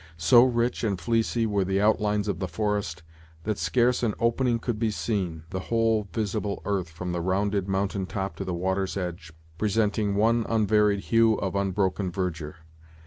So rich and fleecy were the outlines of the forest, that scarce an opening could be seen, the whole visible earth, from the rounded mountain top to the water's edge, presenting one unvaried hue of unbroken verdure.